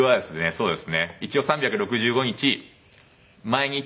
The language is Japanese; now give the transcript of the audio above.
そうです。